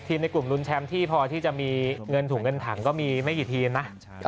ในกลุ่มรุนแชมป์ที่พอที่จะมีเงินถุงเงินถังก็มีไม่กี่ทีมนะ